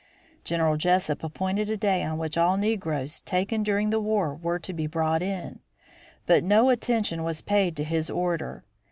General Jesup appointed a day on which all negroes taken during the war were to be brought in, but no attention was paid to his order.